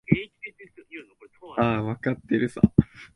ああ、わかってるさ。